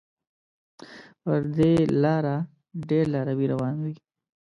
پر دې لاره ډېر لاروي روان وي.